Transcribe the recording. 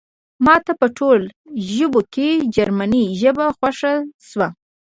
ماته په ټولو ژبو کې جرمني ژبه خوښه شوه